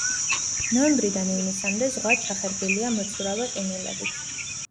ნოემბრიდან ივნისამდე ზღვა ჩახერგილია მოცურავე ყინულებით.